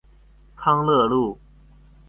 康樂路